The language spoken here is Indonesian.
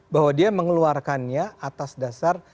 bahwa dia mengeluarkannya atas dasar